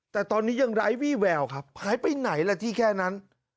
แต่ตอนนี้ยังไร้วี่แววครับหายไปไหนล่ะที่แค่นั้น